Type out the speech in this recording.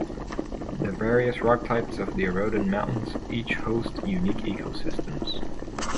The various rock types of the eroded mountains each hosts unique ecosystems.